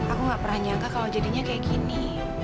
aku gak pernah nyangka kalau jadinya kayak gini